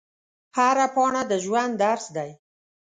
هره پاڼه د ژوند درس دی